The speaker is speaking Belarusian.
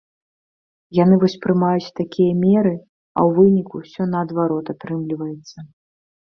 Яны вось прымаюць такія меры, а ў выніку ўсё наадварот атрымліваецца.